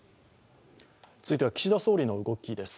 続いては、岸田総理の動きです。